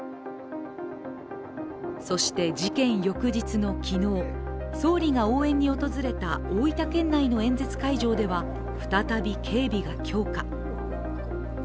そして、事件翌日の昨日、総理が応援に訪れた大分県内の演説会場では再び警備が強化。